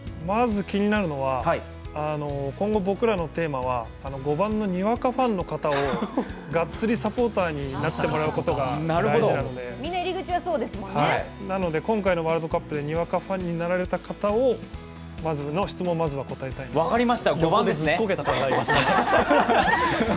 気になるのは今後、僕らのテーマは５番のにわかファンの方をがっつりサポーターになってもらうことが大事なので、今回のワールドカップでにわかファンになられた方のまず、質問答えていきたいんですけども。